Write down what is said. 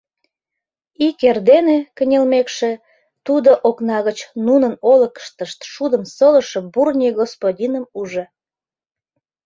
Ик эрдене кынелмекше, тудо окна гыч нунын олыкыштышт шудым солышо Бурни господиным ужо.